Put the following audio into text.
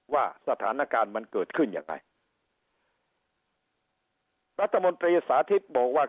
ว่าสถานการณ์มันเกิดขึ้นยังไงรัฐมนตรีสาธิตบอกว่า